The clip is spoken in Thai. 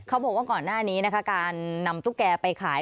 เขาบอกว่าก่อนหน้านี้การนำตุ๊กแก่ไปขาย